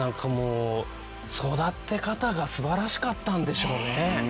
育て方がすばらしかったんでしょうね。